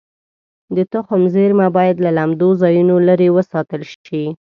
د تخم زېرمه باید له لمدو ځایونو لرې وساتل شي.